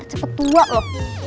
tak cepet tua lo